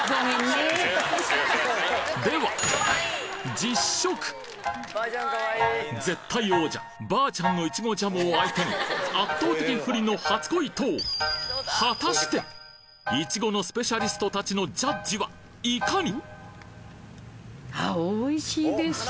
では絶対王者ばあちゃんのイチゴジャムを相手に圧倒的不利の初恋糖イチゴのスペシャリスト達のジャッジはいかに？